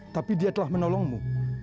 tapi dia telah menolongmu